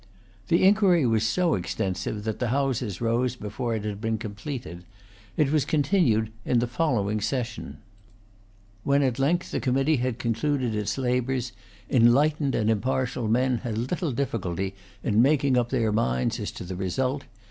The inquiry was so extensive that the Houses rose before it had been completed. It was continued in the following session. When at length the committee had concluded its labours, enlightened and impartial men had little difficulty in making up their minds as to the result.